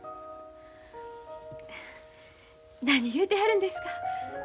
何言うてはるんですか。